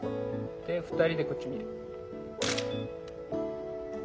で２人でこっち見る。